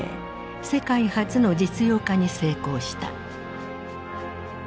世界初の実用化に成功した。